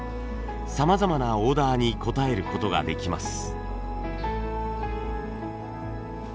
さまざまなオーダーに応える事ができます。